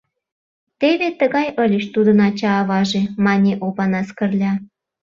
— Теве тыгай ыльыч тудын ача-аваже, — мане Опанас Кырля.